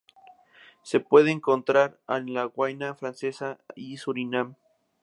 Se pueden encontrar en la Guayana Francesa y Surinam.